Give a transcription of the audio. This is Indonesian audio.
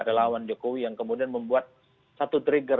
relawan jokowi yang kemudian membuat satu trigger